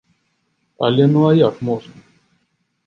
Але ну а як можна?